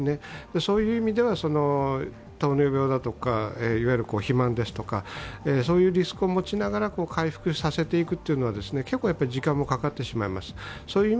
そういう意味では、糖尿病だとか肥満ですとかそういうリスクを持ちながら回復させていくのは結構時間もかかってしまいます。